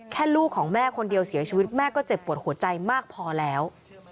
ลูกของแม่คนเดียวเสียชีวิตแม่ก็เจ็บปวดหัวใจมากพอแล้ว